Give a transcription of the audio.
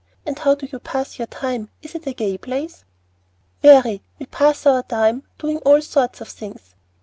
And how do you pass your time? Is it a gay place?" "Very. We pass our time doing all sorts of things.